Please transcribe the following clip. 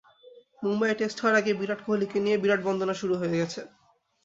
Mumbai test শেষ হওয়ার আগেই বিরাট কোহলিকে নিয়ে বিরাট-বন্দনা শুরু হয়ে গেছে।